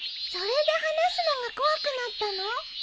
「それで話すのが怖くなったの？」